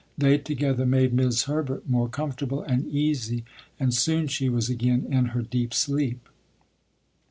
They together made 'Mis' Herbert more comfortable and easy, and soon she was again in her deep sleep.